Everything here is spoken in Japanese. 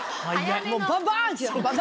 もうバンバンってきた！